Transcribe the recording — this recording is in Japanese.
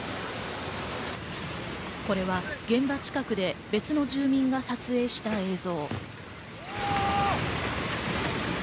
これは現場近くで別の住民が撮影した映像。